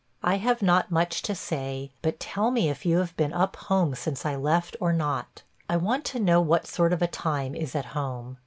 I have not much to say; but tell me if you have been up home since I left or not. I want to know what sort of a time is at home.